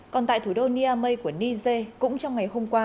còn tại thủ đô niamey của niger cũng trong ngày hôm qua